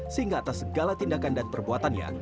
sehingga atas segala tindakan dan perbuatannya